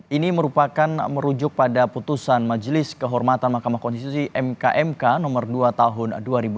ini merupakan merujuk pada putusan majelis kehormatan mahkamah konstitusi mkmk nomor dua tahun dua ribu enam belas